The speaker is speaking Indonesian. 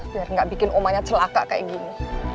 biar nggak bikin omanya celaka kayak gini